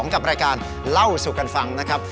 กับรายการเล่าสู่กันฟังนะครับ